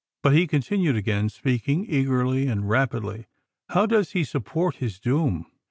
"But," he continued, again speaking eagerly and rapidly, "how does he support his doom?"